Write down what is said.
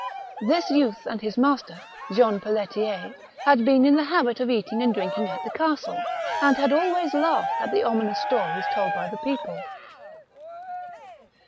This youth and his master, Jean Pelletier, had been in the habit of eating and drinking at the castle, and had always laughed at the ominous stories told by the people.